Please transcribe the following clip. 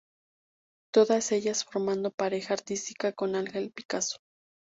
Todas ellas formando pareja artística con Ángel Picazo.